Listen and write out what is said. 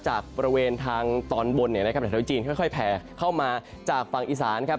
จากบริเวณทางตอนบนเนี่ยนะครับแถวจีนค่อยแผ่เข้ามาจากฝั่งอีสานครับ